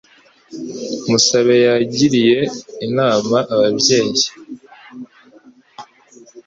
Musabe yagiriye inama ababyeyi